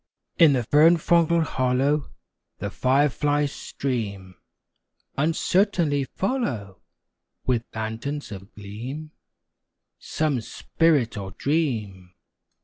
In the fern fronded hollow The fireflies stream, Uncertainly follow, With lanterns of gleam, Some spirit or dream.